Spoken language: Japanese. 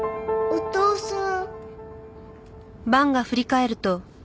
お父さん。